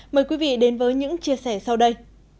mời quý vị đến với những chia sẻ sau đây